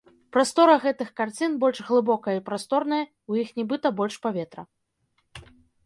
Прастора гэтых карцін больш глыбокая і прасторная, у іх нібыта больш паветра.